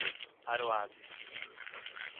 Aroazes